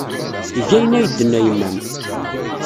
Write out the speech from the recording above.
Eg ayen ay d-tenna yemma-m.